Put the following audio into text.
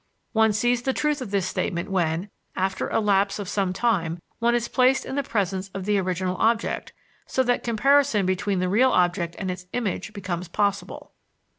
One sees the truth of this statement when, after a lapse of some time, one is placed in the presence of the original object, so that comparison between the real object and its image becomes possible.